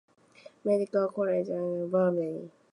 Medical College of the University of Bombay.